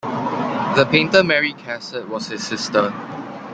The painter Mary Cassatt was his sister.